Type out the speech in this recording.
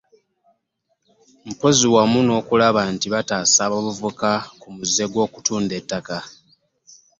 Mpozzi wamu n'okulaba nti bataasa abavubuka ku muze gw'okutunda ettaka